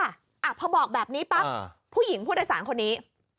อ่ะพอบอกแบบนี้ปั๊บผู้หญิงผู้โดยสารคนนี้